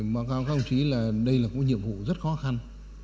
mà các ông chí là đây là một nhiệm vụ rất khó khăn